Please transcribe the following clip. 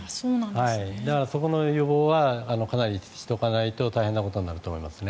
だから、そこの予防はかなりしておかないと大変なことになると思いますね。